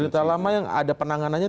cerita lama yang ada penanganannya kan